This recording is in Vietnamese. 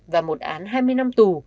và một án hai mươi năm tù